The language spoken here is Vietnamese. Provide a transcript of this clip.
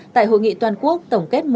tại hội nghị toàn quốc tổng kết